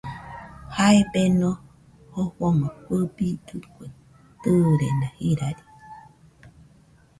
Jae Beno jofomo fɨbidekue tɨrena jirari.